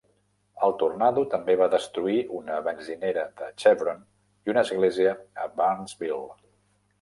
El tornado també va destruir una benzinera de Chevron i una església a Barnesville.